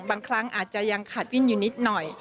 บางครั้งอาจจะยังขาดวิ่นอยู่นิดหน่อย